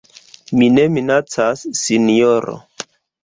Mi ne minacas, sinjoro.